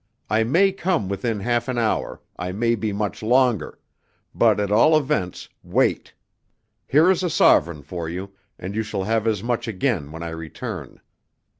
"I may come within half an hour, I may be much longer; but, at all events, wait. Here is a sovereign for you, and you shall have as much again when I return."